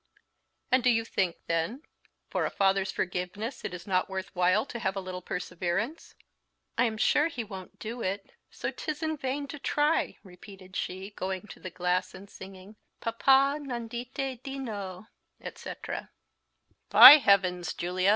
"And do you think, then, for a father's forgiveness it is not worth while to have a little perseverance?" "I am sure he won't do it; so 'tis in vain to try," repeated she, going to the glass, and singing, "Papa non dite di no," etc. "By heavens, Julia!"